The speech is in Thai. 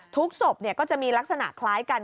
ทุกศพเนี่ยก็จะมีลักษณะคล้ายกัน